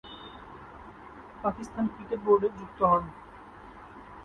Pakistan cricket বোর্ডে যুক্ত হন।